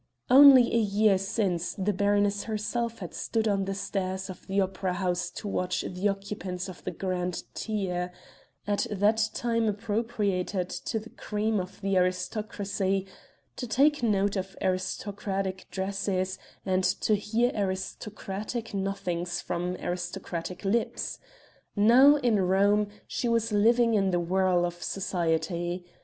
Only a year since the baroness herself had stood on the stairs of the opera house to watch the occupants of the grand tier at that time appropriated to the cream of the aristocracy to take note of aristocratic dresses, and to hear aristocratic nothings from aristocratic lips. Now, in Rome, she was living in the whirl of society.